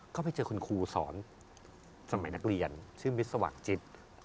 ก็ไปเจอคุณครูสอนสมัยนักเรียนชื่อมิสว่างจิต